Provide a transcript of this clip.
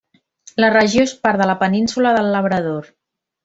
La regió és part de la Península del Labrador.